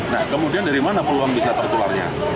nah kemudian dari mana peluang bisa tertularnya